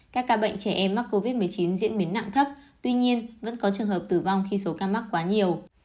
các ca bệnh trẻ em mắc covid một mươi chín diễn biến nặng thấp tuy nhiên vẫn có trường hợp tử vong khi số ca mắc quá nhiều